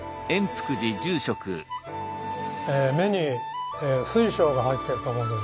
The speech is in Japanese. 目に水晶が入ってると思うんですね。